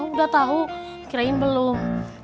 udah tau kirain belum